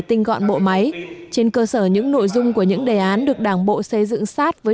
tinh gọn bộ máy trên cơ sở những nội dung của những đề án được đảng bộ xây dựng sát với